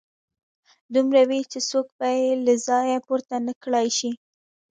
دومره وي چې څوک به يې له ځايه پورته نه کړای شي.